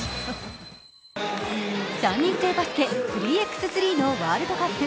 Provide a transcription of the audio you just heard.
３人制バスケ、３ｘ３のワールドカップ。